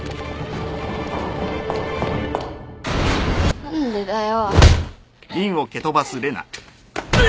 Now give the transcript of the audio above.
・何でだよ？